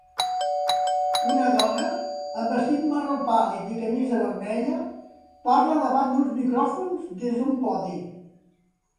Una dona amb vestit marró pàl·lid i camisa vermella parla davant d'uns micròfons des d'un podi.